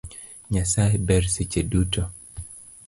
Nyasaye ber seche duto